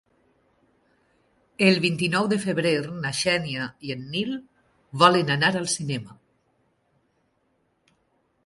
El vint-i-nou de febrer na Xènia i en Nil volen anar al cinema.